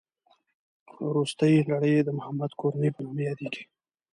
روستۍ لړۍ یې د محمد کورنۍ په نامه یادېږي.